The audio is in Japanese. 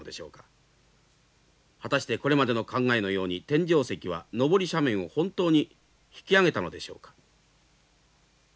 果たしてこれまでの考えのように天井石は上り斜面を本当に引き上げたのでしょうか。